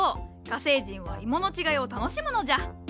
火星人はイモの違いを楽しむのじゃ。